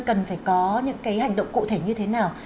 cần phải có những cái hành động cụ thể như thế nào